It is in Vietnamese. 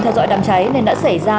theo dõi đám cháy nên đã xảy ra